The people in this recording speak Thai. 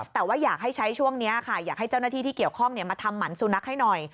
แต่ว่าอยากให้ใช้ช่วงนี้ค่ะอยากให้เจ้าหน้าที่ที่เกี่ยวข้องมาทำหมันสุนัขให้หน่อย